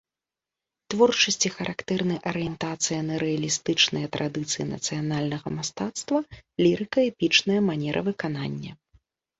Творчасці характэрны арыентацыя на рэалістычныя традыцыі нацыянальнага мастацтва, лірыка-эпічная манера выканання.